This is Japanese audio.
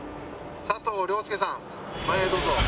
佐藤亮介さん、前へどうぞ。